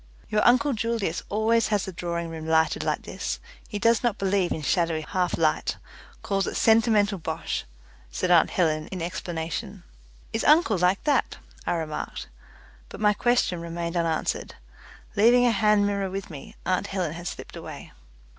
"Your uncle Julius always has the drawing room lighted like this; he does not believe in shadowy half light calls it sentimental bosh," said aunt Helen in explanation. "Is uncle like that?" I remarked, but my question remained unanswered. Leaving a hand mirror with me, aunt Helen had slipped away.